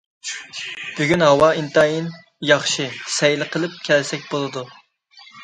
بۈگۈن ھاۋا ئىنتايىن ياخشى، سەيلى قىلىپ كەلسەك بولىدۇ.